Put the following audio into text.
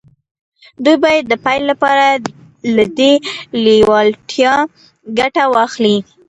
دوی باید د پیل لپاره له دې لېوالتیا ګټه واخلي